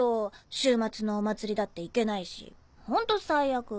週末のお祭りだって行けないしホント最悪。